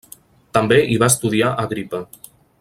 També hi va estudiar Agripa.